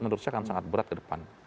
itu akan sangat berat ke depan